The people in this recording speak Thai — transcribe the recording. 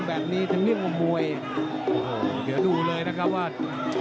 โอ้โหแดงโชว์แล้วโชว์อีกเลยเดี๋ยวดูผู้ดอลก่อน